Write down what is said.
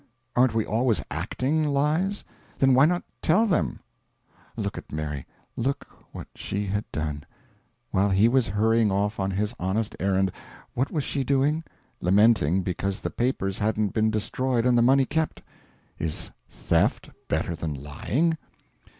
Aren't we always ACTING lies? Then why not tell them? Look at Mary look what she had done. While he was hurrying off on his honest errand, what was she doing? Lamenting because the papers hadn't been destroyed and the money kept. Is theft better than lying?